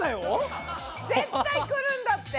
絶対くるんだって。